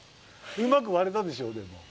うまくわれたでしょでも。